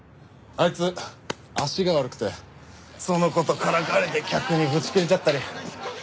あいつ足が悪くてその事からかわれて客にブチキレちゃったり。